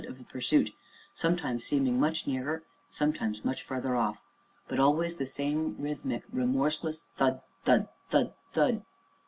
of the pursuit, sometimes seeming much nearer, and sometimes much farther off, but always the same rhythmic, remorseless thud! thud! thud! thud!